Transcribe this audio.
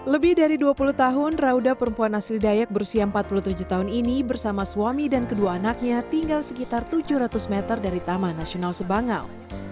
lebih dari dua puluh tahun rauda perempuan asli dayak berusia empat puluh tujuh tahun ini bersama suami dan kedua anaknya tinggal sekitar tujuh ratus meter dari taman nasional sebangau